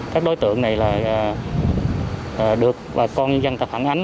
các đối tượng này là được bà con dân tập hẳn ánh